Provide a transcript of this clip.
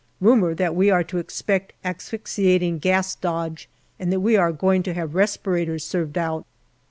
Rumour that we are to expect asphyxi ating gas dodge, and that we are going to have respirators served out.